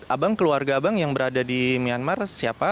abang keluarga abang yang berada di myanmar siapa